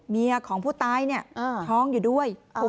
เมียของผู้ตายเนี่ยท้องอยู่ด้วย